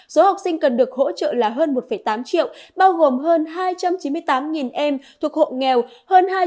số học sinh cần được hỗ trợ là hơn một tám triệu bao gồm hơn hai trăm chín mươi tám em thuộc hộ nghèo hơn